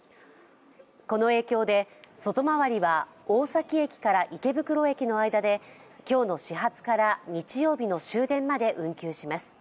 この影響で外回りは大崎駅から池袋駅の間で今日の始発から日曜日の終電まで運休します。